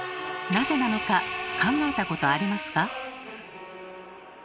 なぜなのか考えたことありますか？